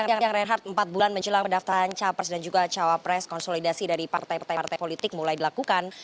yang rehat empat bulan menjelang pendaftaran capres dan juga capres konsolidasi dari partai partai politik mulai dilakukan